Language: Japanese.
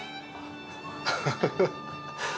ハハハハ。